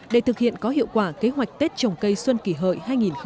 để thực hiện có hiệu quả kế hoạch tết trồng cây xuân kỷ hợi hai nghìn một mươi chín